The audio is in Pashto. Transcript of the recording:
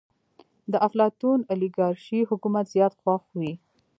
د افلاطون اليګارشي حکومت زيات خوښ وي.